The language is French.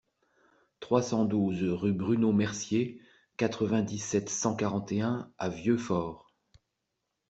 trois cent douze rue Bruno Mercier, quatre-vingt-dix-sept, cent quarante et un à Vieux-Fort